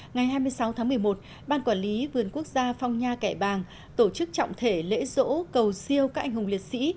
ngày hai mươi sáu tháng một mươi một ban quản lý vườn quốc gia phong nha kẻ bàng tổ chức trọng thể lễ dỗ cầu siêu các anh hùng liệt sĩ